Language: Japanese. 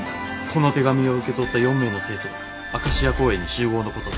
「この手紙を受け取った４名の生徒はアカシア公園に集合のこと」。